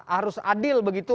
harus adil begitu